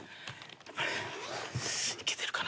はぁいけてるかな